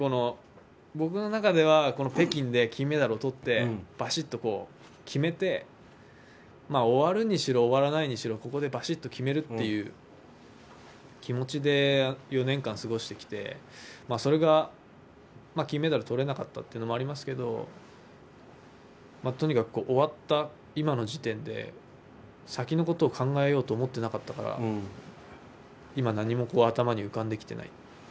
僕の中では北京で金メダルを取ってばっしと決めて終わるにしろ終わらないにしろここでばしっと決めるという気持ちで４年間過ごしてきてそれが金メダルを取れなかったというのもありますけどとにかく終わった今の時点で先のことを考えようと思っていなかったから今何も頭に浮かんできていない。